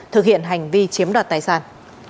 thực hiện hành vi chiếm đoạt tài sản